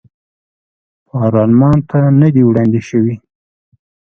پارلمان ته نه دي وړاندې شوي.